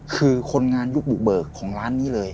คือคนงานยุคบุกเบิกของร้านนี้เลย